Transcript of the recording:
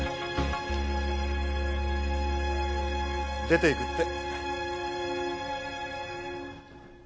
出ていくって。